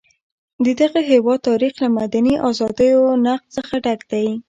د دغه هېواد تاریخ له مدني ازادیو نقض څخه ډک دی.